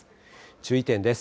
注意点です。